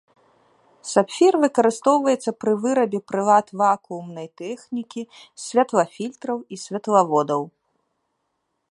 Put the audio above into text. Сапфір выкарыстоўваецца пры вырабе прылад вакуумнай тэхнікі, святлафільтраў і святлаводаў.